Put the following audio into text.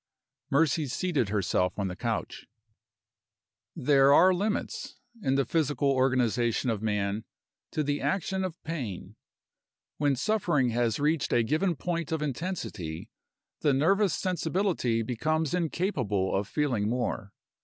Mercy seated herself on the couch. There are limits, in the physical organization of man, to the action of pain. When suffering has reached a given point of intensity the nervous sensibility becomes incapable of feeling more.